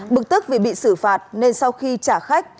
bực tức vì bị xử phạt nên sau khi trả khách